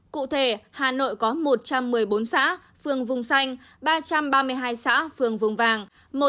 cụ thể hà nội có một trăm một mươi bốn xã phường vùng xanh ba trăm ba mươi hai xã phường vùng vàng